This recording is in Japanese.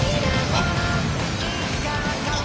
あっ。